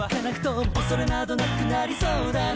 「恐れなどなくなりそうだな」